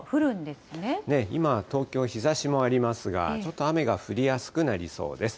今、東京、日ざしもありますが、ちょっと雨が降りやすくなりそうです。